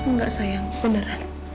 nggak sayang beneran